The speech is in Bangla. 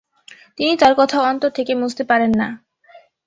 তিনি তার কথা অন্তর থেকে মুছতে পারেন না।